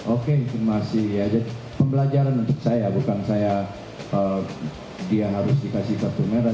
oke informasi pembelajaran untuk saya bukan saya dia harus dikasih kartu merah